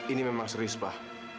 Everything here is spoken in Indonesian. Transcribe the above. ini memang serius pak